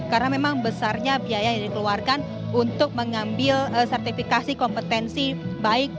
karena memang besarnya biaya yang dikeluarkan untuk mengambil sertifikasi kompetensi baik